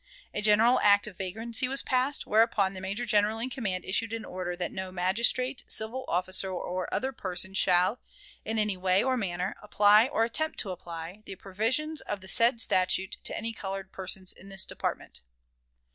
A general act of vagrancy was passed, whereupon the major general in command issued an order "that no magistrate, civil officer, or other person shall, in any way or manner, apply, or attempt to apply, the provisions of the said statute to any colored person in this department."